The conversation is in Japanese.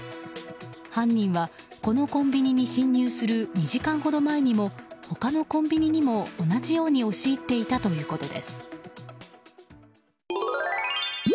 犯人は、このコンビニに侵入する２時間ほど前にも他のコンビニにも同じように押し入っていたということです。